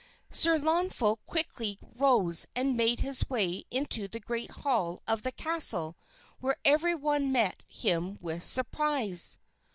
Sir Launfal quickly arose and made his way into the great hall of the castle where every one met him with surprise.